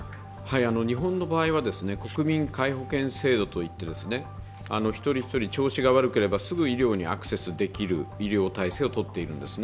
日本の場合は国民皆保険制度といって、一人一人調子が悪ければすぐ医療にアクセスできる医療体制をとっているんですね。